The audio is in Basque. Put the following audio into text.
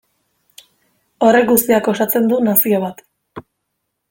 Horrek guztiak osatzen du nazio bat.